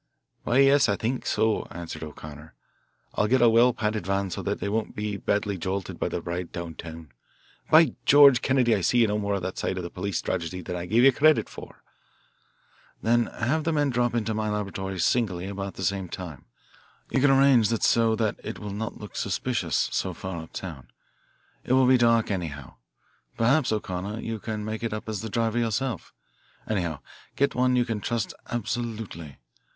"Why, yes, I think so," answered O'Connor. "I'll get a well padded van so that they won't be badly jolted by the ride down town. By George! Kennedy, I see you know more of that side of police strategy than I gave you credit for." "Then have the men drop into my laboratory singly about the same time. You can arrange that so that it will not look suspicious, so far uptown. It will be dark, anyhow. Perhaps, O'Connor, you can make up as the driver yourself anyhow, get one you can trust absolutely.